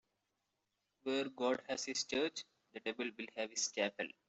Where God has his church, the devil will have his chapel.